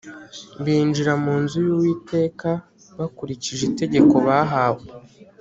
Binjira mu nzu y uwiteka bakurikije itegeko bahawe